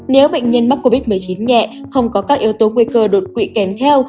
nếu bệnh nhân mắc covid một mươi chín nhẹ không có các yếu tố nguy cơ đột quỵ kèm theo